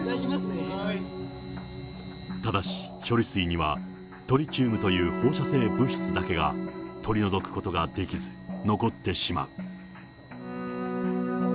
ただし、処理水にはトリチウムという放射性物質だけが、取り除くことができず、残ってしまう。